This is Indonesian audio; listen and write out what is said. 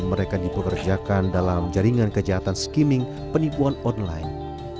mereka dipekerjakan dalam jaringan kejahatan skimming penipuan online